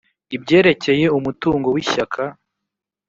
ibyerekeye umutungo w ishyaka